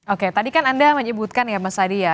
oke tadi kan anda menyebutkan ya mas adi ya